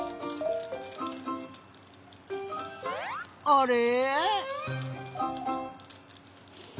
あれ？